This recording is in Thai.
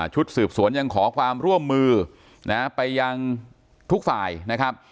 ชุดสืบสวนยังขอความร่วมมือนะไปยังทุกฝ่ายนะครับ